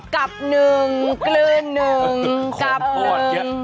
กับหนึ่งกลืนหนึ่งกับหมด